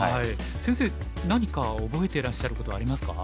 先生何か覚えてらっしゃることありますか？